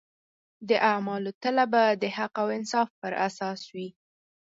د اعمالو تله به د حق او انصاف پر اساس وي.